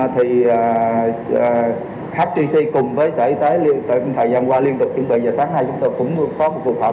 thì hcc cùng với sở y tế thời gian qua liên tục chuẩn bị và sáng nay chúng tôi cũng có một cuộc họp